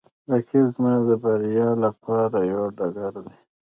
رقیب زما د بریا لپاره یوه ډګر دی